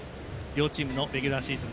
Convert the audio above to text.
両チームのレギュラーシーズン